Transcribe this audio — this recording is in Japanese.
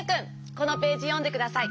このページよんでください。